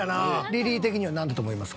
リリー的にはなんだと思います？